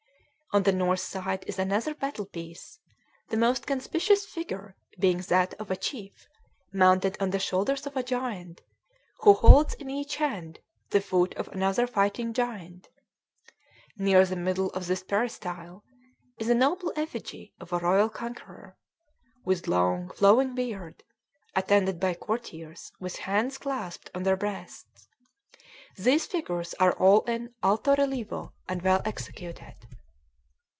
On the north side is another battle piece, the most conspicuous figure being that of a chief mounted on the shoulders of a giant, who holds in each hand the foot of another fighting giant. Near the middle of this peristyle is a noble effigy of a royal conqueror, with long flowing beard, attended by courtiers with hands clasped on their breasts. These figures are all in alto relievo, and well executed.